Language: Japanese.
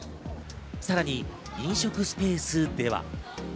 さらに飲食スペースでは。